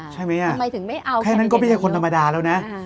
ใช่ไหมแค่นั้นก็ไม่ใช่คนธรรมดาแล้วนะ